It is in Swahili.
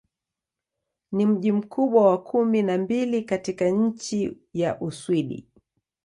Ni mji mkubwa wa kumi na mbili katika nchi wa Uswidi.